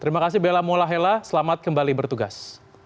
terima kasih bela mullahela selamat kembali bertugas